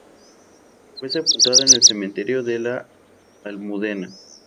Fue sepultada en el cementerio de la Almudena.